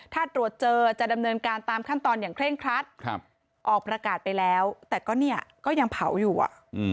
ถ้าตรวจเจอจะดำเนินการตามขั้นตอนอย่างเคร่งครัดออกประกาศไปแล้วแต่ก็เนี่ยก็ยังเผาอยู่อ่ะ